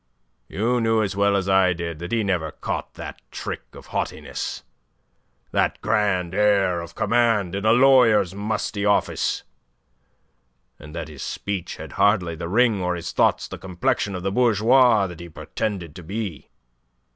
You knew as well as I did that he never caught that trick of haughtiness, that grand air of command, in a lawyer's musty office, and that his speech had hardly the ring or his thoughts the complexion of the bourgeois that he pretended to be.